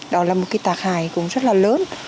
đó là một cái tạc hại cũng rất là lớn